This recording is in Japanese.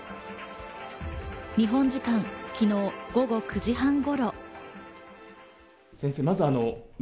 日本時間、昨日午後９時半頃。